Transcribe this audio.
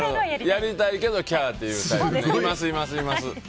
やりたいけどキャーっていうタイプ。